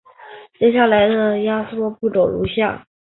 接下来的压缩步骤如下。